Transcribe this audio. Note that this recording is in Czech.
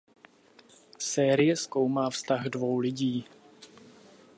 Série zkoumá vztah dvou lidí.